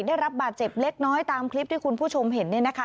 ได้รับบาดเจ็บเล็กน้อยตามคลิปที่คุณผู้ชมเห็นเนี่ยนะคะ